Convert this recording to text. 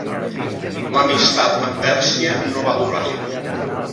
L'amistat amb Pèrsia no va durar.